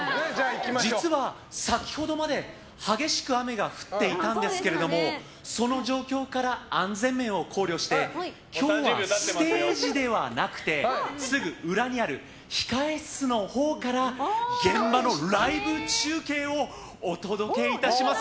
実は、先ほどまで激しく雨が降っていたんですけどその状況から安全面を考慮して今日は、ステージではなくてすぐ裏にある控室のほうから現場のライブ中継をお届けいたします。